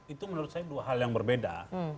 itu menurut saya dua hal yang berbeda